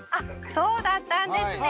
そうだったんですね